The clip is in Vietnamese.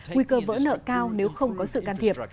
nguy cơ vỡ nợ cao nếu không có sự can thiệp